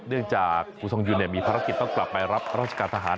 เนื่องจากครูทรงยุนมีภารกิจต้องกลับไปรับราชการทหาร